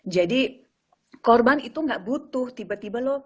jadi korban itu gak butuh tiba tiba loh